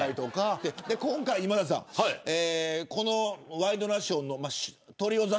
今回、今田さんワイドナショーのトリオザ